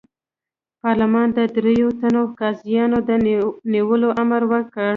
پارلمان د دریوو تنو قاضیانو د نیولو امر وکړ.